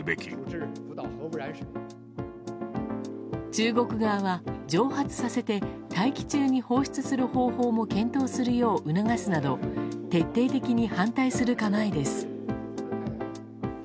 中国側は蒸発させて大気中に放出する方法も検討するよう促すなど徹底的に反対する構えです。